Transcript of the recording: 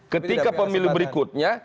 ketika pemilih berikutnya